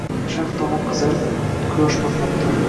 Sharq tomon qizarib, quyosh botmoqda